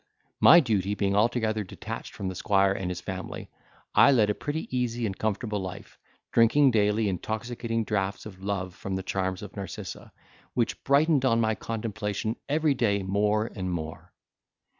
My duty being altogether detached from the squire and his family, I led a pretty easy and comfortable life, drinking daily intoxicating draughts of love from the charms of Narcissa, which brightened on my contemplation every day more and more.